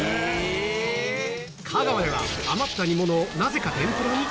香川では余った煮物をなぜか天ぷらに！？